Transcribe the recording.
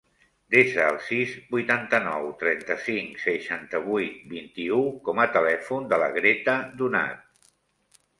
Desa el sis, vuitanta-nou, trenta-cinc, seixanta-vuit, vint-i-u com a telèfon de la Greta Donat.